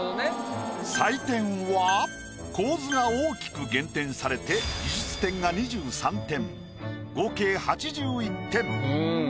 採点は構図が大きく減点されて技術点が２３点合計８１点。